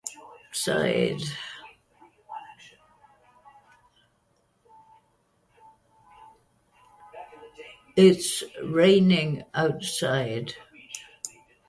The Weber and Ogden rivers and their tributaries run through its valleys.